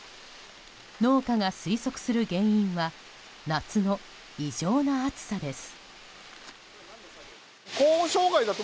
農家が推測する原因は夏の異常な暑さです。